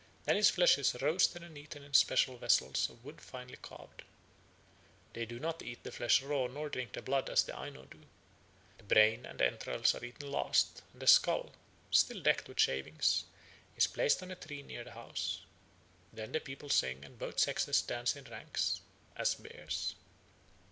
Then his flesh is roasted and eaten in special vessels of wood finely carved. They do not eat the flesh raw nor drink the blood, as the Aino do. The brain and entrails are eaten last; and the skull, still decked with shavings, is placed on a tree near the house. Then the people sing and both sexes dance in ranks, as bears.